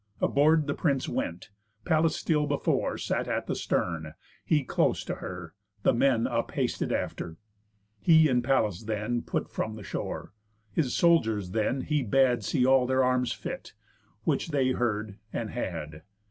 Aboard the prince went; Pallas still before Sat at the stern, he close to her, the men Up hasted after. He and Pallas then Put from the shore. His soldiers then he bad See all their arms fit; which they heard, and had.